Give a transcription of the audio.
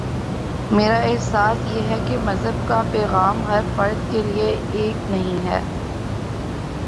میرا احساس یہ ہے کہ مذہب کا پیغام ہر فرد کے لیے ایک نہیں ہے۔